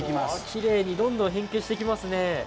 きれいにどんどん変形していきますね。